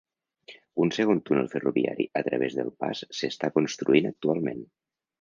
Un segon túnel ferroviari a través del pas s'està construint actualment.